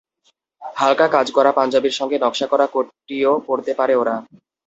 হালকা কাজ করা পাঞ্জাবির সঙ্গে নকশা করা কোটিও পরতে পারে ওরা।